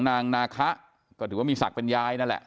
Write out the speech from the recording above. นางนาคะนี่คือยายน้องจีน่าคุณยายถ้าแท้เลย